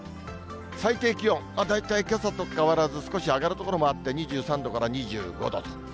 最低気温、大体けさと変わらず少し上がる所もあって、２３度から２５度と。